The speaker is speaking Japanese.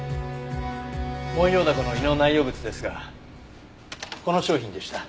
モンヨウダコの胃の内容物ですがこの商品でした。